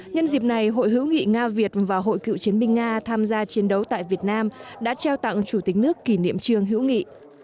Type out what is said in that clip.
nhân dịp này hội hữu nghị nga việt và hội cựu chiến binh nga tham gia chiến đấu tại việt nam đã trao tặng chủ tịch nước kỷ niệm trương hữu nghị